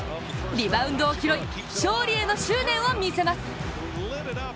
リバウンドを拾い、勝利への執念を見せます。